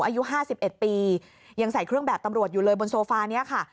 อายุ๕๑ปียังใส่เครื่องแบบตำรวจอยู่เลยบนโซฟานี้ค่ะ